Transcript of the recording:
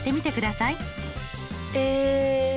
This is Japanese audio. え。